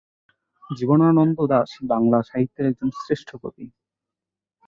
জীবনানন্দ দাশ বাংলা সাহিত্যের একজন শ্রেষ্ঠ কবি।